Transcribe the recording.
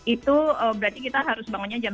itu berarti kita harus bangunnya jam dua